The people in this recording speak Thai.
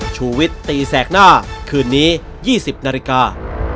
ชูวิทย์ตีแสกหน้าคืนนี้๒๐นาฬิกา